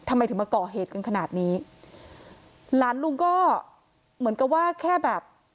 ทำไมถึงมาก่อเหตุกันขนาดนี้หลานลุงก็เหมือนกับว่าแค่แบบ